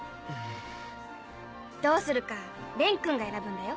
どうするか蓮君が選ぶんだよ。